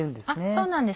そうなんです